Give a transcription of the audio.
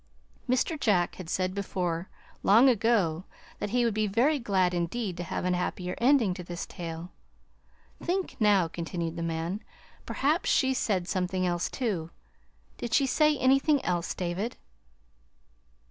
Mr. Jack had said before long ago that he would be very glad indeed to have a happier ending to this tale. "Think now," continued the man. "Perhaps she said something else, too. Did she say anything else, David?"